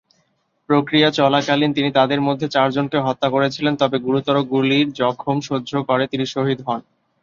প্রক্রিয়া চলাকালীন, তিনি তাদের মধ্যে চারজনকে হত্যা করেছিলেন তবে গুরুতর গুলির জখম সহ্য করে তিনি শহীদ হন।